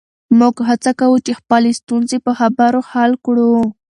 موږ هڅه کوو چې خپلې ستونزې په خبرو حل کړو.